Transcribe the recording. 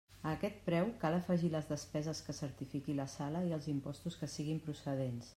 A aquest preu cal afegir les despeses que certifiqui la sala i els impostos que siguin procedents.